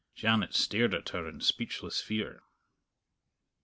Janet stared at her in speechless fear.